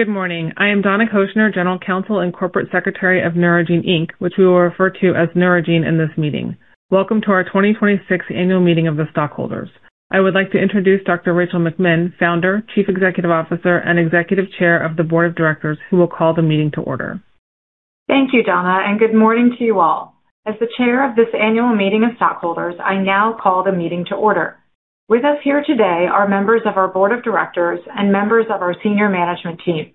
Good morning. I am Donna Cochener, General Counsel and Corporate Secretary of Neurogene Inc., which we will refer to as Neurogene in this meeting. Welcome to our 2026 Annual Meeting of the Stockholders. I would like to introduce Dr. Rachel McMinn, Founder, Chief Executive Officer, and Executive Chair of the Board of Directors, who will call the meeting to order. Thank you, Donna. Good morning to you all. As the chair of this annual meeting of stockholders, I now call the meeting to order. With us here today are members of our board of directors and members of our senior management team.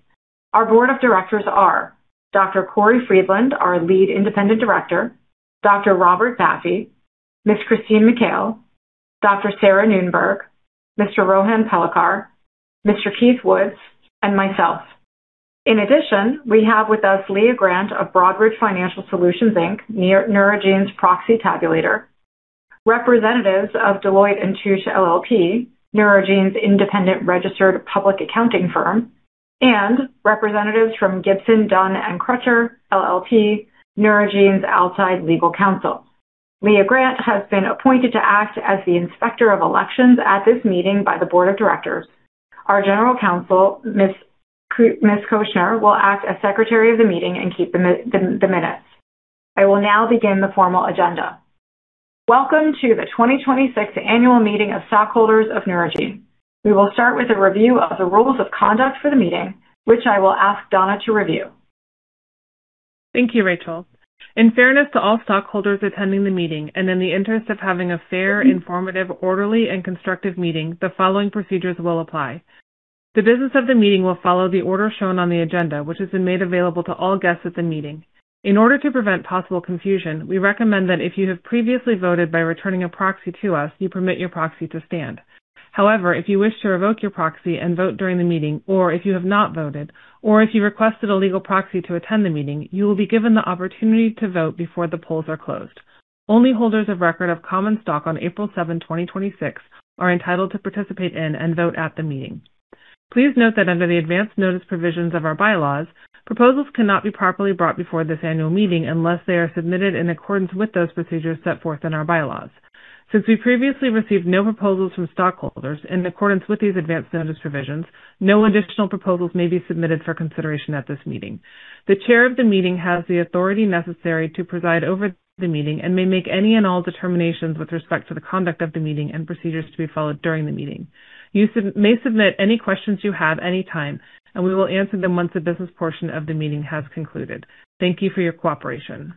Our board of directors are Dr. Cory Freedland, our Lead Independent Director, Dr. Robert Baffi, Ms. Christine Mikail, Dr. Sarah Noonberg, Mr. Rohan Palekar, Mr. Keith Woods, and myself. In addition, we have with us Leah Grant of Broadridge Financial Solutions, Inc., Neurogene's proxy tabulator, representatives of Deloitte & Touche LLP, Neurogene's independent registered public accounting firm, and representatives from Gibson, Dunn & Crutcher LLP, Neurogene's outside legal counsel. Leah Grant has been appointed to act as the Inspector of Elections at this meeting by the Board of Directors. Our General Counsel, Ms. Cochener, will act as Secretary of the meeting and keep the minutes. I will now begin the formal agenda. Welcome to the 2026 annual meeting of stockholders of Neurogene. We will start with a review of the rules of conduct for the meeting, which I will ask Donna to review. Thank you, Rachel. In fairness to all stockholders attending the meeting and in the interest of having a fair, informative, orderly, and constructive meeting, the following procedures will apply. The business of the meeting will follow the order shown on the agenda, which has been made available to all guests at the meeting. In order to prevent possible confusion, we recommend that if you have previously voted by returning a proxy to us, you permit your proxy to stand. However, if you wish to revoke your proxy and vote during the meeting, or if you have not voted, or if you requested a legal proxy to attend the meeting, you will be given the opportunity to vote before the polls are closed. Only holders of record of common stock on April 7th, 2026, are entitled to participate in and vote at the meeting. Please note that under the advance notice provisions of our bylaws, proposals cannot be properly brought before this annual meeting unless they are submitted in accordance with those procedures set forth in our bylaws. Since we previously received no proposals from stockholders, in accordance with these advance notice provisions, no additional proposals may be submitted for consideration at this meeting. The chair of the meeting has the authority necessary to preside over the meeting and may make any and all determinations with respect to the conduct of the meeting and procedures to be followed during the meeting. You may submit any questions you have any time, and we will answer them once the business portion of the meeting has concluded. Thank you for your cooperation.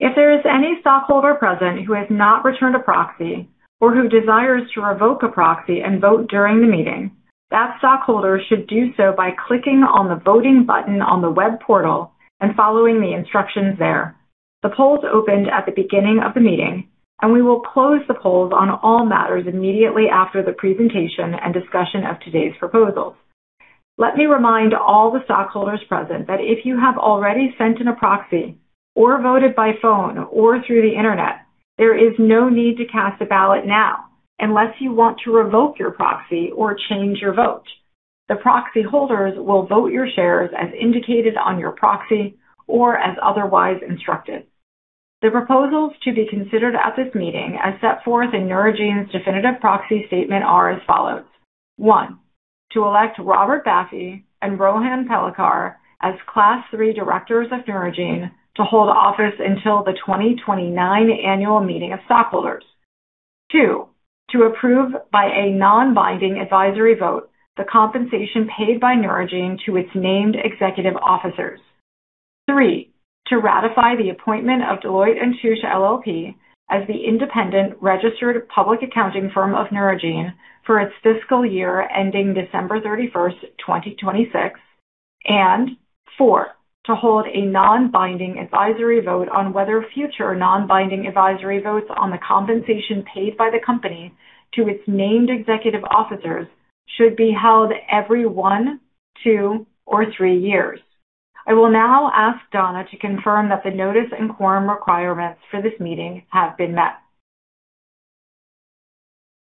If there is any stockholder present who has not returned a proxy or who desires to revoke a proxy and vote during the meeting, that stockholder should do so by clicking on the voting button on the web portal and following the instructions there. The polls opened at the beginning of the meeting, and we will close the polls on all matters immediately after the presentation and discussion of today's proposals. Let me remind all the stockholders present that if you have already sent in a proxy or voted by phone or through the Internet, there is no need to cast a ballot now unless you want to revoke your proxy or change your vote. The proxy holders will vote your shares as indicated on your proxy or as otherwise instructed. The proposals to be considered at this meeting, as set forth in Neurogene's definitive proxy statement, are as follows. One, to elect Robert Baffi and Rohan Palekar as Class III directors of Neurogene to hold office until the 2029 annual meeting of stockholders. Two, to approve by a non-binding advisory vote the compensation paid by Neurogene to its named executive officers. Three, to ratify the appointment of Deloitte & Touche LLP as the independent registered public accounting firm of Neurogene for its fiscal year ending December 31st, 2026. Four, to hold a non-binding advisory vote on whether future non-binding advisory votes on the compensation paid by the company to its named executive officers should be held every one, two, or three years. I will now ask Donna to confirm that the notice and quorum requirements for this meeting have been met.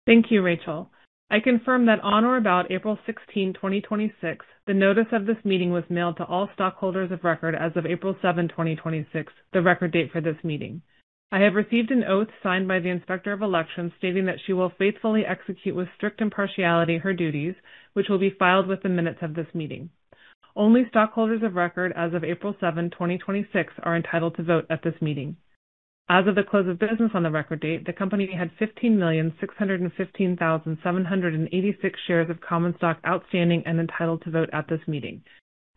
Thank you, Rachel. I confirm that on or about April 16th, 2026, the notice of this meeting was mailed to all stockholders of record as of April 7th, 2026, the record date for this meeting. I have received an oath signed by the Inspector of Elections stating that she will faithfully execute with strict impartiality her duties, which will be filed with the minutes of this meeting. Only stockholders of record as of April 7th, 2026, are entitled to vote at this meeting. As of the close of business on the record date, the company had 15,615,786 shares of common stock outstanding and entitled to vote at this meeting.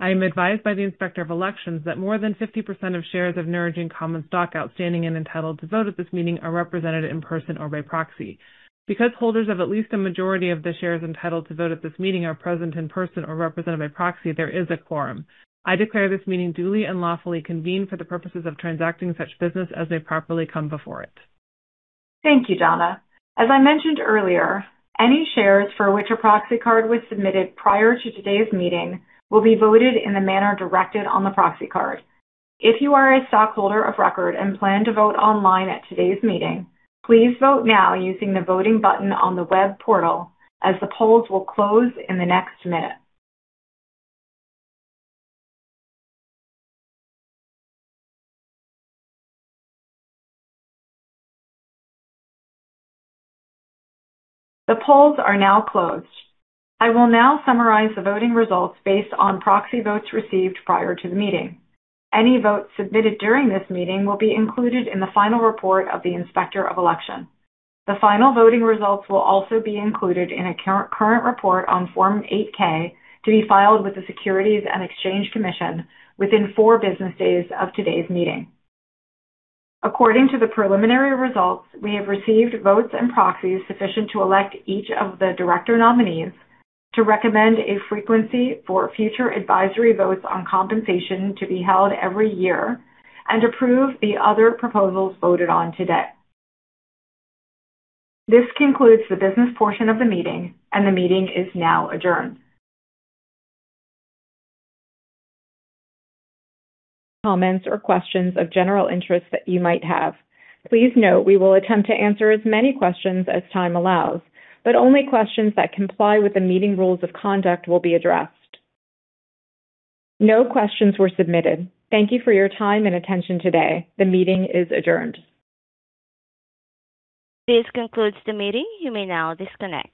I am advised by the Inspector of Elections that more than 50% of shares of Neurogene common stock outstanding and entitled to vote at this meeting are represented in person or by proxy. Because holders of at least a majority of the shares entitled to vote at this meeting are present in person or represented by proxy, there is a quorum. I declare this meeting duly and lawfully convened for the purposes of transacting such business as may properly come before it. Thank you, Donna. As I mentioned earlier, any shares for which a proxy card was submitted prior to today's meeting will be voted in the manner directed on the proxy card. If you are a stockholder of record and plan to vote online at today's meeting, please vote now using the voting button on the web portal, as the polls will close in the next minute. The polls are now closed. I will now summarize the voting results based on proxy votes received prior to the meeting. Any votes submitted during this meeting will be included in the final report of the Inspector of Elections. The final voting results will also be included in a current report on Form 8-K to be filed with the Securities and Exchange Commission within four business days of today's meeting. According to the preliminary results, we have received votes and proxies sufficient to elect each of the director nominees to recommend a frequency for future advisory votes on compensation to be held every year and approve the other proposals voted on today. This concludes the business portion of the meeting, and the meeting is now adjourned. Comments or questions of general interest that you might have. Please note we will attempt to answer as many questions as time allows, but only questions that comply with the meeting rules of conduct will be addressed. No questions were submitted. Thank you for your time and attention today. The meeting is adjourned. This concludes the meeting. You may now disconnect.